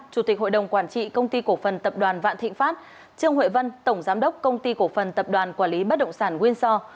chủ tịch hội đồng quản trị công ty cổ phần tập đoàn vạn thịnh pháp trương huệ vân tổng giám đốc công ty cổ phần tập đoàn quản lý bất động sản winso